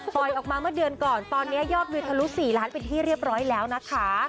ออกมาเมื่อเดือนก่อนตอนนี้ยอดวิวทะลุ๔ล้านเป็นที่เรียบร้อยแล้วนะคะ